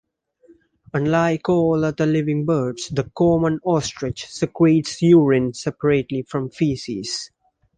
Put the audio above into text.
Unlike all other living birds, the common ostrich secretes urine separately from faeces.